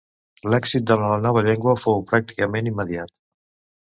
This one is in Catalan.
L'èxit de la nova llengua fou pràcticament immediat.